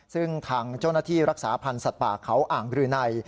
ซึ่งทางเจ้าหน้าที่รักษาพันธ์สัตว์ป่าเขาอ่างรืนัย